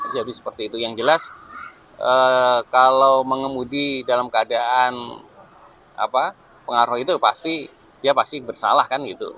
jadi seperti itu yang jelas kalau mengemudi dalam keadaan pengaruh itu dia pasti bersalah kan gitu